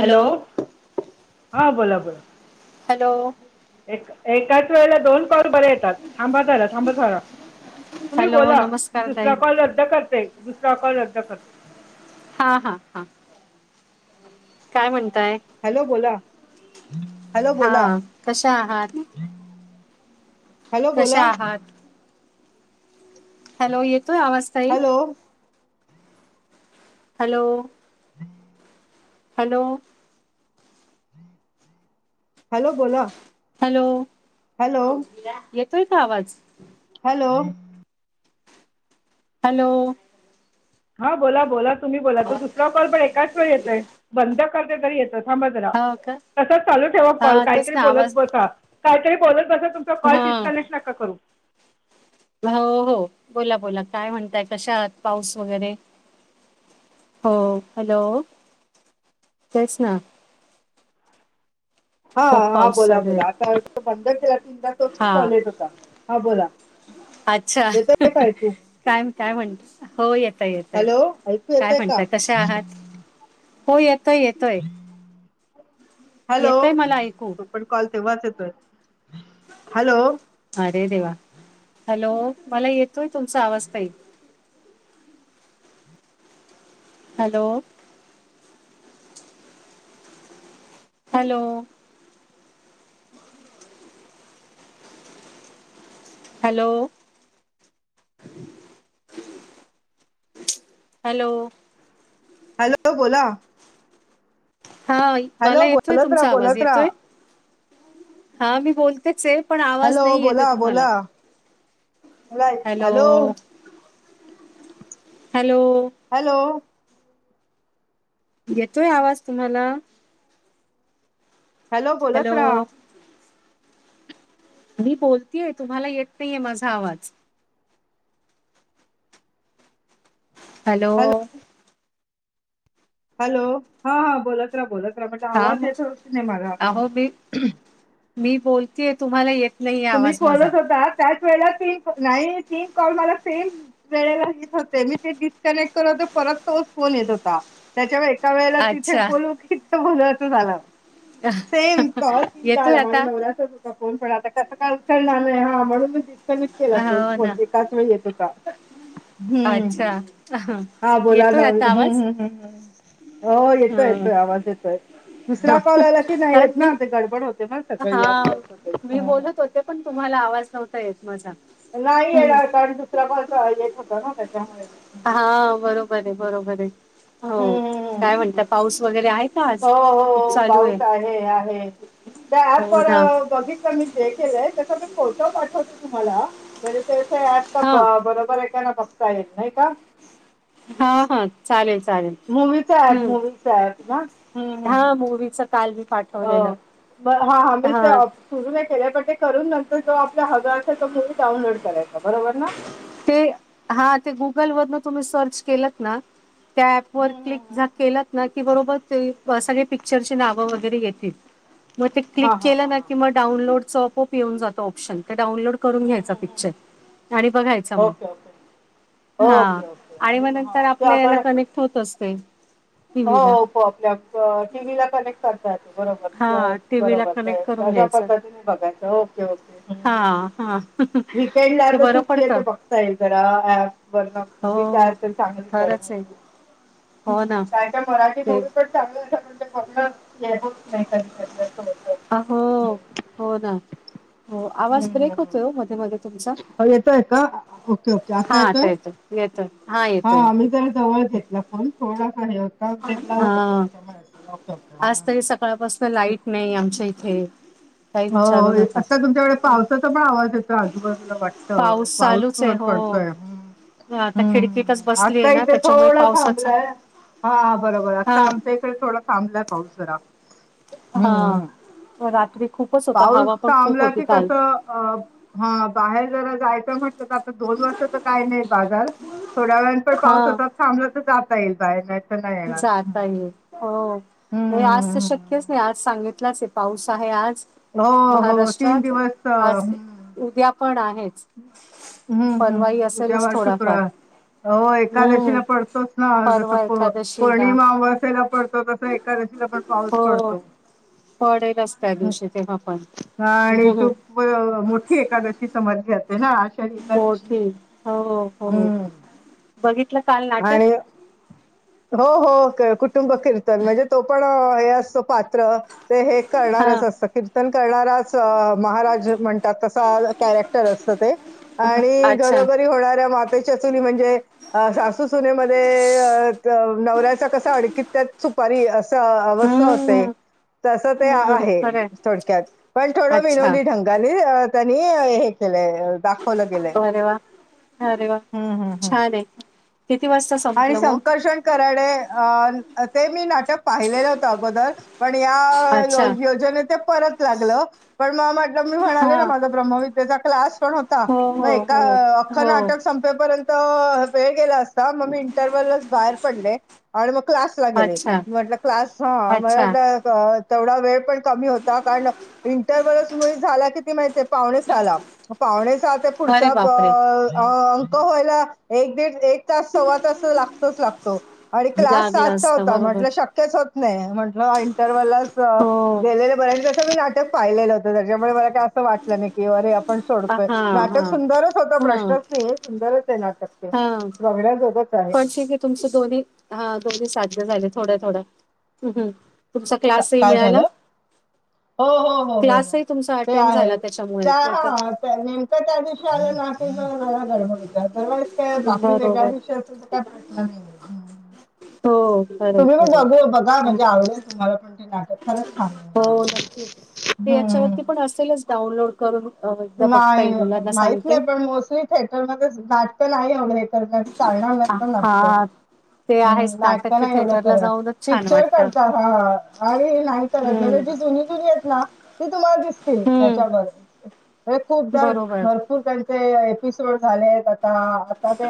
Hello हा बोला बोला. हॅलो. एक एकाच वेळेला दोन पावडरेत. थांबा जरा. थांबा जरा. तुम्ही हॅलो बोला. नमस्कार दुसरा ताई कॉल रद्द करते. -रा कॉल रद्द करते. हा हा हा काय म्हणताय? हॅलो बोला. हॅलो हा बोला कशा आहात? हॅलो बोला. कशा आहात हॅलो येतोय आवाज? ताई हॅलो. हॅलो. [inaudible] हॅलो. हॅलो बोला. हॅलो. हॅलो येतोय का आवाज. हॅलो. हॅलो. हा बोला बोला तुम्ही बोला तो दुसरा कॉल पण एकाच वेळी येतय बंद करते तरी येतच. थांबा जरा हो का तसाच चालू ठेवा कॉल हा तेच काहीतरी ना बोलत आवाज बसा काहीतरी बोलत बसा तुम कॉल हा डिस्कनेक्ट नका करू. हो हो बोला बोला काय म्हणताय कशात पाऊस वगैरे. हो हॅलो तेच ना. हा खूप हा पाऊस बोला चालू आहे बोला आता तो बंद केला तीनदा तोच हा कॉल येत होता. हा बोला. अच्छा येतोय का ऐकू काय काय म्हणत. हो येतय येतय. हॅलो ऐकू काय येतय का म्हणता? कशा आहात? हो येतोय येतोय. हॅलो. येतोय मला ऐकू तो पण कॉल तेव्हाचयतोय. हॅलो. अरे देवा हॅलो मला येतोय तुमचा आवाज ताई. Hello. Hello. Hello. Hello. Hello बोला. हा मला हॅलो येतोय बोलत राहा तुमचा आवाज बोलत राहा येतोय हा मी बोलतेचेय. पण आवाज हॅलो नाही येते तुम्हाला. मुल आयत. हॅलो. हॅलो. हॅलो. येतोय आवाज तुम्हाला? हॅलो बोलत रहा. मी बोलतेय तुम्हाला येत नाहीये माझा आवाज. हॅलो. हॅलो हा हा बोलत राहा बोलत राहा बट हा आवाज म येतोय की नाही माझा. अहो मी मी बोलतेय तुम्हाला एक तुम्ही बोलत होता त्याच वेळेला तीन नाही तीन कॉल मला सेम - - वेळेला [unintelligible] होते मी ते डिस्कनेक्ट करत होते परत तोच फोन येत होता. त्याच्यावर एका वेळेला तिथे अच्छा बोलू की इथ बोलू असं झालं. सेम कॉल तीनदा येतोय आला आता माझ्या नवऱ्याचाच होता. तिचा फोन पण आता कस काय उचलणार आहे हा म्हणून मी ती असाही मीच केला तोच हो फोन ना एकाच वेळी येत होता हूं! [unintelligible] हा बोला ना येतोय आता हूं हूं आवाज हूं हूं हो येतो हं. येतोय आवाज येतोय. दुसरा कॉल आला की नाहीे कारण येत मी ना, ते गडबड होते स हा मी बोलत होते, पण तुम्हाला आवाज नव्हता येत माझा. नाही हं. येणार कारण दुसरा कॉल चा येत होता ना त्याच्यामुळे. हा बरोबर, हे बरोबर हे, हो हम्म काय म्हणता पाऊस वगैरे आहे? का आज हो खूप हो चालू पाऊस आहे, आहे त्या ऍप हो वर ना बघित पण मी ते केलंय त्याचा मी फोटो पाठवते तुम्हाला म्हणजे ते [unintelligible] त हा प बरोबर आहे का ना बघता येईल नाही का. हा हा चालेल, चालेल. मूवीचा ऍप, हं. मूवीचा ऍप ना हूं हूं हा मूवीचं काल मी पाठवलेलं अ. बरं हा हा मीशो आप. सुरू नाही केल पण ते करून नंतर जो आपला हवा असेल तो मुव्ही डाउनलोड करायचा बरोबर ना. ते हा ते गुगल वरन तुम्ही सर्च केलत ना त्या ऍप वर हम्म हम्म क्लिक झा हम्म. केलंत. ना की बरोबर ते सगळे पिक्चरची नाव वगैरे येतील मग ते क्लिक हां हां केलं हां ना हां. किं मं डाऊनलोड चं आपोप येऊन जातं ऑप्शन ते डाऊनलोड करून हम्म हम्म घ्यायचा हम्म. पिक्चर आणि बघाय चा ओके ओके. मग हा ओके, ओके आणि म मग नंतर हां, ते आपल्या याला आपण हो, कनेक्ट होतं असंते. हो ओपो आपल्या टीव्हीला कनेक्ट करतात बरोबर, हा टीव्हीला बरोबर कनेक्ट करून तश्या घ्यायचं. पद्धतीन बघायचं ओके-ओके. हा हा वीकेंड ला ते आता बरं सुट्टी ये त पडतं बघता येईल जरा ऍप. बर न बी काय हो. असेल चांगली कर खरंच म्हणून. आहे हो ना. त्याच्यावर मराठी ते मूवी पण चांगलं अश्या म्हणजे बघणच येत होत नाही कधी कधी असं. होतं. अ हो हं, हो ना हो आवाज ब्रेक होतोय ओ मध्ये मध्ये तुमचा. हो येतोय का ओके-ओके आता येतोय. येतोय हा येतोय मी येतो. जरा जवळ घेतला फोन थोडासा हे होता टेबलावर होता हा त्याच्यामुळे. [inaudible] आज तरी सकाळपासन लाईट नाही आमच्या इथे. काही हो विचारू होय नका आता तुमच्याकडे पावसाचा पण आवाज येतोय आजूबाजूला वाटत पाऊस चालूच आहे पड हो. पडतोय हूं! आता हूं खिडकीतच हूं बसलीय आता ना इथे त्याच्यामुळे थोडा पावसाचा थांबलाय हा बरोबर हा आता आमचं ये थे थोडा थांबलाय पाऊस जरा. हा हम्म. हम्म. व रात्री खूपच होता पाऊस हवा पण खूप थांबला होती की काल कसं अ हं बाहेर जरा जायचं म्हटलं त आता दोन वाजता त काय नही बाजार. थोड्या वेळान पण पाऊस हा असा थांबला त जाता येईल बाहेर नाही तर नाही येणार. जाता हम्म. येईल हो हम्म नही आज त हम्म शक्यच नही हम्म आज सांगितलाच हे पाऊस आहे आज हो हो तीन महाराष्ट्रात दिवस अ, आज उद्या पण आहेच. हूं हूं परवाही उद्या असेलच वार थोडाफार शुक्रवार. हो हम्म. एकादशीला पडतोच ना जस परवा पो एकादशीला पौर्णिमा आमवस्या ला पडतो तसा तो एकादशीला पण पाऊस हो. पडतो. पडेलच त्या हम्म. दिवशी तेव्हा पण म मोठी एकादशी समजली जाते ना? आषाढी एकादशी मोठी हो हो हम्म बघितलं काल नाटक? आणि हो हो क कुटुंब कीर्तन म्हणजे तो पण हे असतो पात्र ते हे हा कळणारच अस कीर्तन करणारच महाराज म्हण तस कॅरेक्टर असत ते आणि अच्छा. घरोघरी होणाऱ्या माती च्या चुली म्हणजे आ सासू - - सासू सुनेमध्ये अ ते नवऱ्याच्या कशा आडकीत्यात सुपारी अस च अवस्था असते हम्म. तस ते हम्म आहे खरंय थोडक्यात पण थोड अच्छा विनोदी ढंग गानी त्यांनी हे केलय दा फॉलो केलय. अरे वा अरे वा. हम्म हम्म हम्म. छान आहे किती वाजता आणि संपलं मग? संकर्षण कराडे अ ते मी नाटक पाहिलेलं होतं अगोदर. पण या अच्छा योज - योजनेच परत लागलं पण म म्हटलं मी म्हणाले हा ना माझ - - प्रमवतेचा क्लास पण होता हो हो मे एका हो अख्ख हो नाटक संपेपर्यंत त वेळ गेला असता मग मी इंटरवललाच बाहेर पडले आणि मग क्लासला गेले अच्छा म्हटलं क्लास ह म्ह अच्छा वाटलं अ तेवढा वेळ पण कमी होता कारण इंटरव्हलच मुळी झाला किती माहित आहे पाहुणे सहाला पाहुणे सहा ते अरे पुढचा च बापरे अ अ अंक व्हायला एक दीड एक तास सव्वा तास लागतोच लागतो आणि क्लास लागलं आजचा असता होता बरोबर म्हंटल शक्य - - शक्यच होत नाही. म्हंटलं इंटरवलाच हो गेलेलं बरं आणि तसं मी नाटक पाहिलेलं होतं त्याच्यामुळे मला काय असं वाटलं नाही? की अरे आपण हा सोडतोय. हा नाटक हा सुंदरच होत प्रश्नच नाही. सुंदरच आहे नाटक? ते हा. [unintelligible] पण शकी तुमचं दोन्ही हा दोन्ही साध्य झाले थोड थोड हम्म. तुमचा क्लासही काय मिळाला. झालं हो हो हो हो हो क्लासही तुमचा ते अटेंड आहे झाला त्याच्यामुळे त्या नाही हा तर त्यांनी ते त्या दिवशी आले ना ते जरा गडबड होत्या त्यावेळेस बाकी वेगळ्या बरोबर डिशेस. तेचा काय प्रश्न नाही आहे. हम्म. हो. खरं तुम्ही पण खरं बघू बघा हो म्हणजे आवडेल तुम्हाला पण ते नाटक. खरंच छान आहे म्हणजे हो नक्कीच ते हम्म. याच्यावरती पण असेलच? डाउनलोड करून एकदा बघता येईल मुलांना सांगते? कोण मोसे? थएटर मध्ये नाटकं नाही वैगेरे तर चालणार हा नाही नाटकं? हा, ते हम्म आहेच नाटक ते नाही एवढं थिएटरला करत जाऊनच छान पिक्चर वाटतं करतात हा आणि नाही करत म्हणजे हम्म जी जु जुनी आहेत ना ती तुम्हाला दिसतील त्याच्याबर हम्म हे खूपदा बरोबर भरपूर जण ते एपिसोड झालेत आता आता ते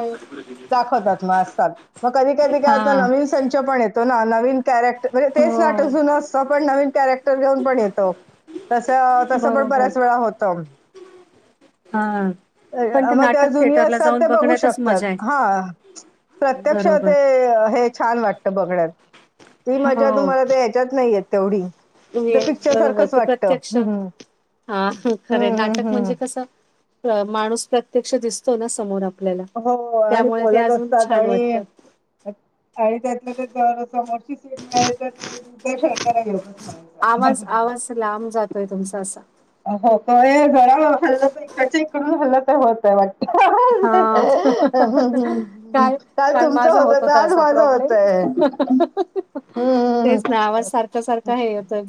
दाखवतात म असतात. मग कधी कधी काय आता हा नवीन संच पण येतो ना नवीन कॅरेक् म्हणजे तेच नाटक होय, जुन असतं पण नवीन कॅरेक्टर घेऊन पण येतो. तस तस पण बरोबर. बऱ्याच वेळा होतं. हा. मग ते अ जुनी असतात ते बघू बघण्यातच शकतात. मजा आहे. हा. प्रत्यक्ष बरोबर. ते हे. छान वाटत बघण्यात, ती हो. मजा तुम्हाला ते याच्यात नाही तेवढी. तुमी ये ते पिक्चर बरोबर सारखंच ते वाटतं प्रत्यक्ष, हम्म हा खरे हम्म नाटक. म्हणजे हम्म कस अ माणूस प्रत्यक्ष दिसतो ना समोर आप हो आणि बोलत असतात ही. वाटतं. आणि त्यातल्या त्यात जर समोरची सीट मिळालीं तर ते उद्या [unintelligible] शरकारला घेऊच म्हणा आवाज, आवाज लांब जातोय तुमचा असा. हो का ये जरा हल्लं तर इकडच्या इकडून हल्लं तर होत वाटत. हा काल, काल तुमचं माझा होत तर होता आज असा माझं प्रॉब्लेम. होतय हम्म तेच ना आवाज सारख, सारखा हे येतोय.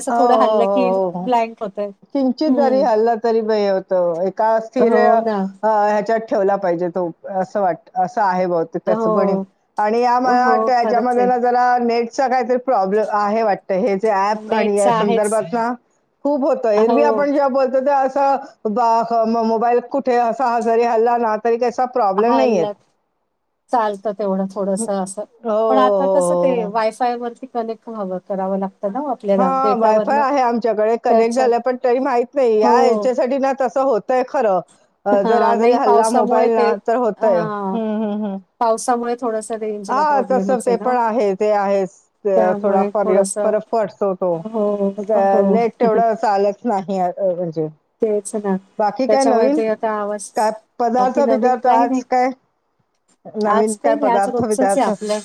हो हो हो हो हो. किंचित जरी हम्म हल्ला तरी बय होत एका स्थिर हो अ ना ह्याच्यात. ठेवला पाहिजे तो असं वाट असं आहे बहूतेक त्याच गणी हो आणि या मला हो वाटतं खरंच याच्यामध्ये आहे ना जरा नेटचा काहीतरी प्रॉब्लेम आहे वाटतं हे जे ऍप आणि नेटच या आहेच संदर्भाचा खूप होत हो एरवी आपण जेव्हा बोलतो ते असं बा असा म मोबाईल कुठे असा ह जरी हल्ला ना तरी त्याचा प्रॉब्लेम नहीे येत. हल्ला चालतं तेवढं हो, थोडस असं, हो, पण आता कसं हो, ते हो. वाईफ [unintelligible] कनेक्ट व्हाव कराव लाग हा वायफाय आहे आमच्याकडे कनेक्ट त्याच्या झाला पण तरी माहित नाही या हो याच्यासाठी ना तसं होत ते खर अ हा जरा जरी नाही हल्ला पावसामुळे मोबाईल ते ना तर होतय हा हूं हूं! पावसामुळे. थोडस रेंजला हा तस प्रॉब्लेमच ते ना पण आहे ते आहेच, थोडा त्यामुळे फा थोडस फरक पडतो. हो नेट मग हो नेट तेवढं चालत नाही म्हणजे. तेच ना बाकी काय त्याच्यामुळे नवीन? ते आता आवाज काय बाकी नवीन पदार्थ-बिदार्थ काही आज नाही. काय [inaudible] नवीन आज काय काही नाही आज पदार्थ रोजचच आहे बिदार्थ आपलं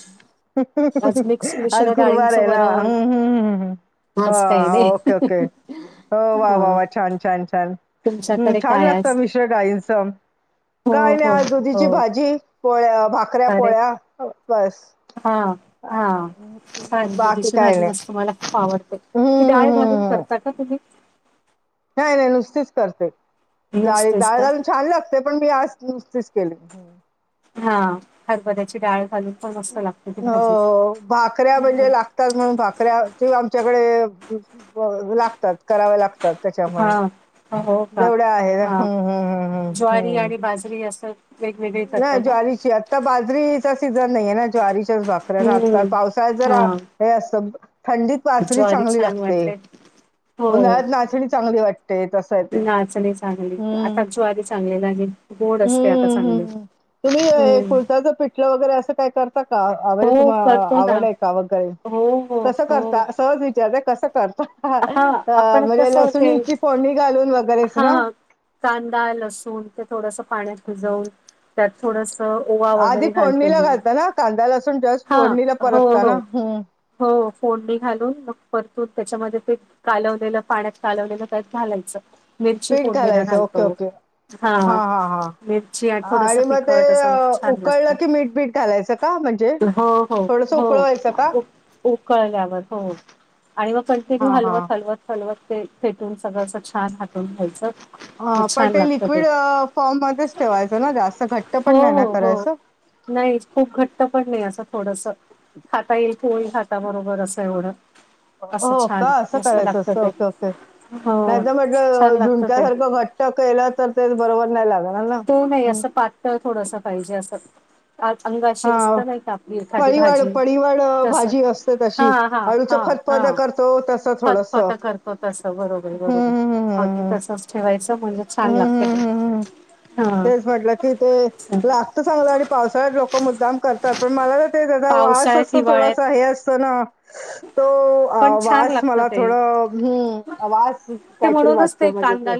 आज मिक्स आज मिश्र सुरुवार डाळींचं आहे ना वरण हूं हूं हूं हूं! आज काही हा ओके, ओके नाही हो वा वा हा वा, छान छान छान. हूं तुमच्याकडे छान काय लागत आज मिश्र डाळीनच, हो काय नाही हो आज दुधीची हो भाजी पोळ्या भाकऱ्या अरे पोळ्या बस. हा, हा सार बाकी त्याची काय भाजी नाही मस्त मला खूप आवड हं, ती हं, डाळ घालून करता का तुम्ही? नाही-नाही नुसतीच करते डाळी नुसतेच डाळ का घालून छान लागते पण मी आज नुसतीच केली. हा हरबऱ्याची डाळ घालून. पण मस्त लागते ती भाजी हो भाकऱ्या हम्म. म्हणजे लागतात म्हणून भाकऱ्या ची आमच्याकडे. लागतात कराव्या लागतात. त्याच्यामुळे हा हो का जेवढ्या आहे ना हा हूं हूं हूं हूं ज्वारी हूं! आणि बाजरी असं वेगवेग नाही ज्वारी च आत आता बाजरीचा सीझन नाहीे ये ना ज्वारीच्याच भाकऱ्या न आता हम्म पावसाळ्यात जरा. हा हे असं थंडीत. बाजरी ज्वारी चांगली छान लागते वाटतय. हो हो उन्हाळ्यात नाचणी चांगली वाटते तसं आहे ते नाचणी चांगली, हम्म आता ज्वारी चांगले लागेल. गोड असते आता हम्म चांगली. हम्म तुम्ही ये हम्म. कुळदाच पिठलं वगैरे असं काय कर हो करतो ना [unintelligible] हो हो कसं हो करता? सहज विचारले. कसं करता? हा आपण म्हणजे कसं होते लसुणीची फोडणी घालून वगैरेच ना हा कांदा लसून ते थोडस पाण्यात भिजवून त्यात थोडस ओवा आधी वगैरे घालते फोडणीला मी घालता ना कांदा लसूण जस्ट हा फोडणीला हो परतता हो ना हम्म हो फोडणी घालून मग परतून त्याच्यामध्ये ते कालवलेलं पाण्यात कालवलेलं त्यात घालायचं मिरची पीठ फोडणीला घालायचं ओके घालतो. ओके हा मिरची आ थोडस आणि मग ते तिखट तसं मग अ, छान लागत. उकळलं की मीठ बीठ घालायचं का म्हणजे? हो हो थोडस हो उकळवायचं का उक उकळल्यावर हो. आणि मग कंटिन्यू हा हा हलवत हलवत हलवत ते फेटून सगळं अस छान हाटुन घ्यायचं. हा मग पण छान ते लागतं लिक्विड फॉर्म मध्येच ठेवायचं. ना जास्त घट्ट हो, पण नाही ना हो, हो. करायचं. नाही खूप घट्ट पण नाही असं थोडस खाता येईल. पोळी हाता बरोबर असं एवढं हो असं छान का असं मस्त करायचं लागतं असतं ते ओके ओके हो नाहीतर छान म्हटलं लागतं ते झुणक्यासारखं घट ट केला तर तेच बरोबर नाही लागणार ना तो नाही हं. असं पातळ थोडस पाहिजे असं अंथगाशी हा असते नाही का आपली एखादी पळीवाड भाजी पळीवाड अ, तस भाजी असते हा तशी हा अळूचं हा फतफद हा करतो तसं फत थोडस फत करतो तस बरोबर बरोबर हम्म हम्म अगदी हम्म तस ठेवायचं म्हणजे छान हम्म लागत ते हम्म हम्म हम्म हम्म हा तेच म्हटलं कि ते लागत चांगलं आणि पावसाळ्यात लोक मुद्दाम कर तात पण मला तर ते तेजा वास पावसाळ्यात असतो हिवाळ्यात थोडासा हे असतो ना तो आ पण छान वास लागतं मला ते थोडं हम्म वास ते काहीतरी म्हणूनच वाटतो म्हणजे ते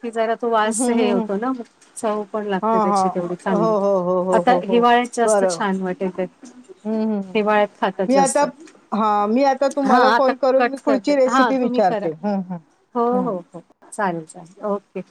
ती जरात तो वास हम्म हे हम्म हम्म. होतो ना म चव पण हा लागते. हा त्याची तेवढी चांगली. हो हो हो हो आता हो हो हिवाळ्यात जास्त बरं छान वाटेल तर हम्म हम्म हम् मी आताप हा मी आता हा तुम्हाला आता फोन करून मी कट पुढची करते हा रेसिपी तुम्ही करा विचारते. हम हम. हो हो हो चालेल चालेल ओके.